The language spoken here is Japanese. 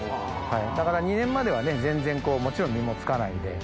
だから２年までは全然もちろん実もつかないで。